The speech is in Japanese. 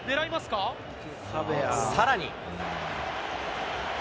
さらに。